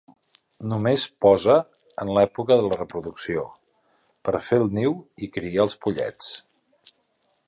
Només posa en l'època de reproducció, per fer el niu i criar els pollets.